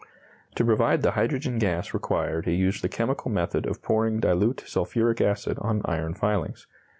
To provide the hydrogen gas required he used the chemical method of pouring dilute sulphuric acid on iron filings.